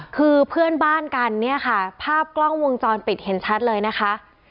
คือเพื่อนบ้านกันเนี่ยค่ะภาพกล้องวงจรปิดเห็นชัดเลยนะคะ